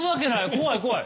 怖い怖い。